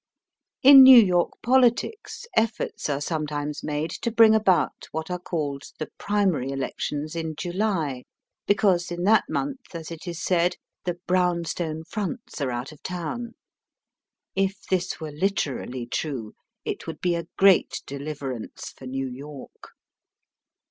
In New York politics efforts are sometimes made to bring about what are called the primary elections in July, because in that month, as it is said, " the brown stone fronts are out of town." If this were literally true it would be a great deliverance for New York.